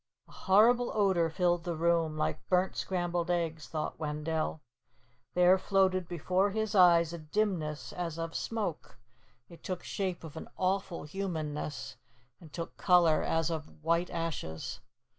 A horrible odor filled the room, like burnt scrambled eggs, thought Wendell. There floated before his eyes a dimness as of smoke. It took shape of an awful humanness, and took color as of white ashes.